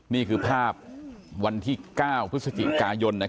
นี่คือภาพวันที่๙พฤศจิกายน